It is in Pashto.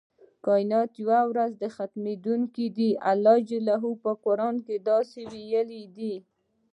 کائنات یوه ورځ ختمیدونکي دي الله ج په قران کې داسې ویلي دی.